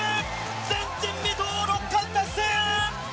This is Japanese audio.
前人未到の６冠達成！